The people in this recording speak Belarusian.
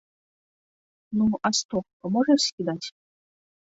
Ну, а стог паможаш скідаць?